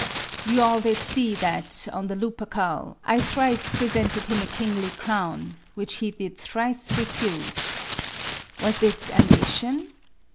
You all did see, that, on the Lupercal, I thrice presented him a kingly crown, Which he did thrice refuse. Was this ambition?